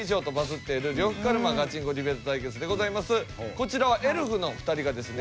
こちらはエルフの２人がですね